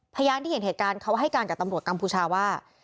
พยานที่เห็นเหตุการณ์เขาให้การกับตำรวจกัมพูชาว่า